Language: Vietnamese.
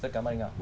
rất cảm ơn anh hậu